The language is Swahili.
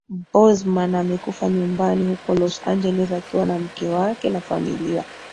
Boseman amekufa nyumbani huko Los Angeles akiwa na mke wake na familia